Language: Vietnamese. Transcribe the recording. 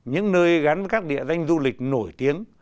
những nơi gắn với các địa danh du lịch nổi tiếng